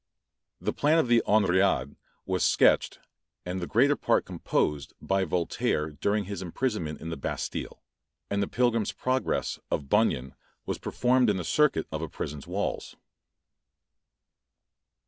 The plan of the "Henriade" was sketched, and the greater part composed, by Voltaire during his imprisonment in the Bastile; and "the Pilgrim's Progress" of Bunyan was performed in the circuit of a prison's walls.